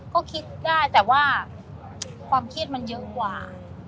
ก็คิดได้แต่ว่าความเครียดมันเยอะกว่า